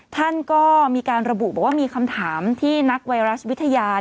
ท่านก็มีการระบุบอกว่ามีคำถามที่นักไวรัสวิทยา